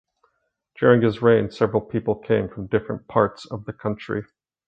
During his reign several people came from different parts of country.